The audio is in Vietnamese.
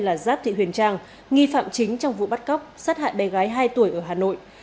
là giáp thị huyền trang nghi phạm chính trong vụ bắt cóc sát hại bé gái hai tuổi ở hà nội